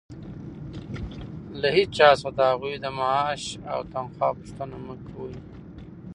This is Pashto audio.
له هېچا څخه د هغوى د معاش او تنخوا پوښتنه مه کوئ!